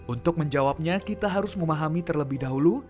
untuk menjawabnya kita harus memahami terlebih dahulu